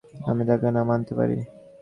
আমি তাকে না মানতে পারি।